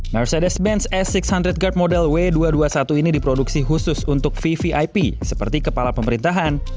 mercedes benz s enam ratus guard model w dua ratus dua puluh satu ini diproduksi khusus untuk vvip seperti kepala pemerintahan